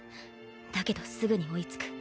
だけどすぐに追いつく。